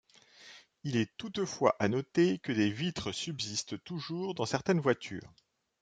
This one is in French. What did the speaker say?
Il est toutefois à noter que des vitres subsistent toujours dans certaines voitures.